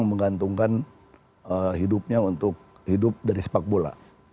menggantungkan hidupnya untuk hidup dari sepak bola